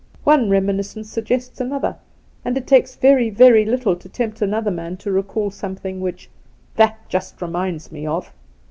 One reminiscence suggests another, and it takes very, very little to tempt another man to recall something which 'that just reminds him of.'